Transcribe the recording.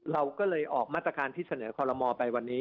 เราก็เลยออกมาตรการที่เสนอคอลโลมอลไปวันนี้